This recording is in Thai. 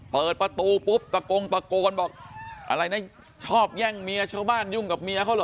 เปิดประตูปุ๊บตะโกงตะโกนบอกอะไรนะชอบแย่งเมียชาวบ้านยุ่งกับเมียเขาเหรอ